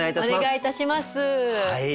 お願いいたします。